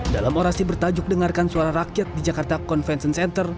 dalam orasi bertajuk dengarkan suara rakyat di jakarta convention center